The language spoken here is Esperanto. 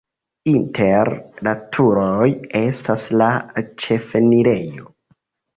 Inter la turoj estas la ĉefenirejo.